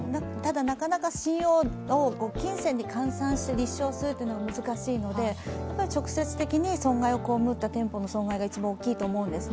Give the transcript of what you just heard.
なかなか信用を金銭で換算して立証するのは難しいので直接的に損害を被った店舗の損害が一番大きいと思うんですね。